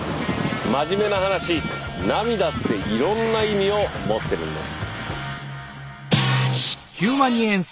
真面目な話涙っていろんな意味を持ってるんです。